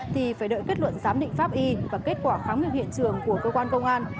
thì phải đợi kết luận giám định pháp y và kết quả khám nghiệm hiện trường của cơ quan công an